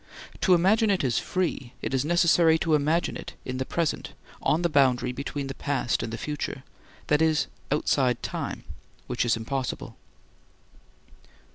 To imagine it as free, it is necessary to imagine it in the present, on the boundary between the past and the future—that is, outside time, which is impossible.